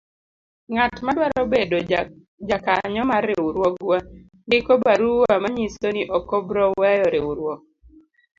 Ng'atma dwaro bedo jakanyo mar riwruogwa ndiko barua manyiso ni okobro weyo riwruok.